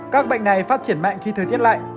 các bệnh này phát triển mạnh khi thời tiết lạnh